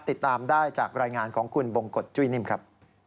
ติดตามได้จากรายงานของคุณบงกฎจุ้ยนิ่มครับ